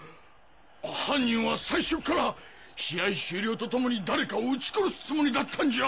犯人は最初から試合終了とともに誰かを撃ち殺すつもりだったんじゃ！？